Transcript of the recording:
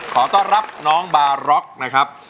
ขอต้อนรับน้องบาร็อกนะครับ